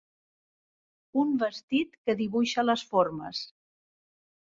Un vestit que dibuixa les formes.